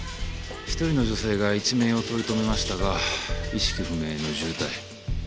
１人の女性が一命を取り留めましたが意識不明の重体。